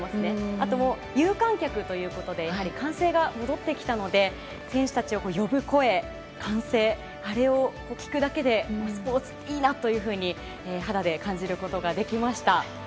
あと、有観客ということで歓声が戻ってきたので選手たちを呼ぶ声、歓声あれを聞くだけでスポーツっていいなというふうに肌で感じることができました。